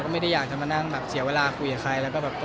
ไม่ได้อยากเศียเวลาเจอกับใคร